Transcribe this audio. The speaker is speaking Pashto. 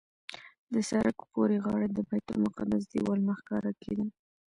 د سړک پورې غاړې د بیت المقدس دیوالونه ښکاره کېدل.